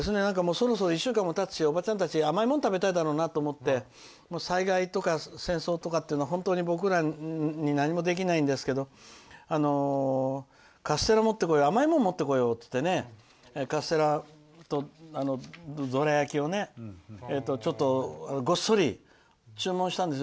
そろそろ１週間もたつしおばちゃんたち甘いものが食べたいだろうなと思って災害とか戦争とかっていうのは本当に、僕らには何もできないんですけど甘いものを持ってこようと思ってカステラとどら焼きをごっそり注文したんです。